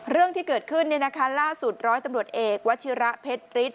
เรื่องที่เกิดขึ้นล่าสุดร้อยตำรวจเอกวัชิระเพชรฤทธ